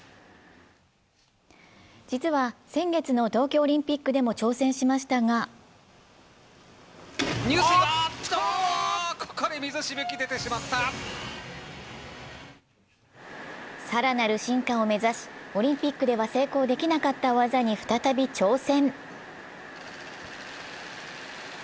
実は先月の東京オリンピックでも挑戦しましたが更なる進化を目指し、オリンピックでは成功できなかった技に再び挑戦。